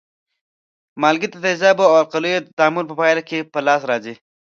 مالګې د تیزابو او القلیو د تعامل په پایله کې په لاس راځي.